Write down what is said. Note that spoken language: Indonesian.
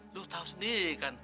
lo tau sendiri kan